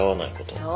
そう。